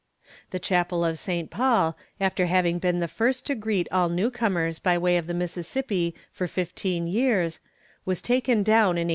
The chapel of Saint Paul, after having been the first to greet all newcomers by way of the Mississippi for fifteen years, was taken down in 1856.